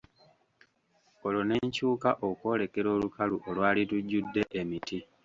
Olwo ne nkyuka okwolekera olukalu olwali lujjudde emiti.